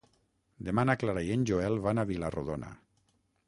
Demà na Clara i en Joel van a Vila-rodona.